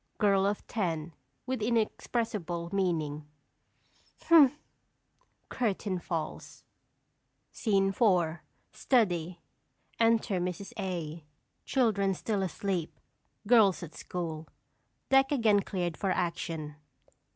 Girl of Ten (with inexpressible meaning): Hm! Curtain falls. SCENE IV. STUDY. _Enter Mrs. A. Children, still asleep; girls at school; deck again cleared for action.